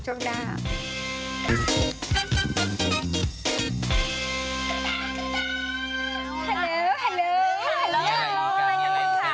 ฮัลโหล